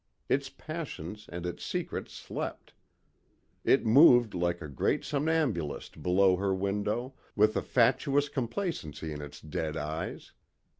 Its passions and its secrets slept. It moved like a great somnambulist below her window, with a fatuous complacency in its dead eyes.